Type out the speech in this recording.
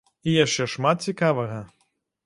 І яшчэ шмат цікавага.